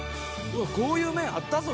「こういう面あったぞ